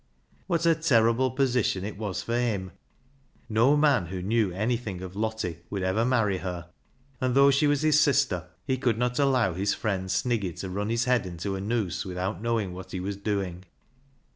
What a terrible position it was for him ! No man who knew anything of Lottie would ever marry her. And though she was his sister, he could not allow his friend Sniggy to run his head into a noose without knowing what he was doing.